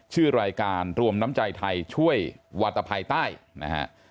ชื่อรายการรวมน้ำใจไทยช่วยวาตภัยใต้นะฮะ